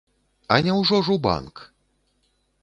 А няўжо ж у банк!